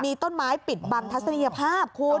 มีต้นไม้ปิดบังทัศนียภาพคุณ